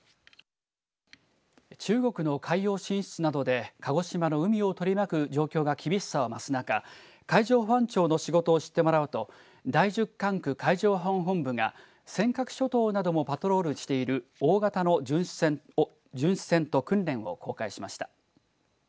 中国の海洋進出などで鹿児島の海を取り巻く状況が厳しさを増す中海上保安庁の仕事を知ってもらおうと第１０管区海上保安本部が尖閣諸島などもパトロールしている大型の巡視船と訓練を公開しました。